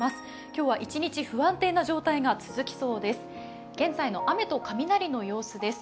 今日は一日不安定な状態が続きそうです。